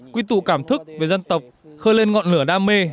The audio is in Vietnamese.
quy tụ cảm thức về dân tộc khơi lên ngọn lửa đam mê